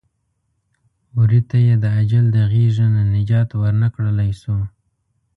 وري ته یې د اجل د غېږې نه نجات ور نه کړلی شو.